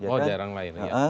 oh daerah lain ya